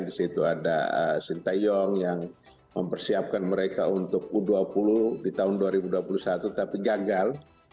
di situ ada sintayong yang mempersiapkan mereka untuk u dua puluh di tahun dua ribu dua puluh satu tapi gagal